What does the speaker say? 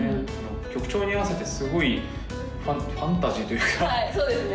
曲調に合わせてすごいファンタジーというかはいそうですね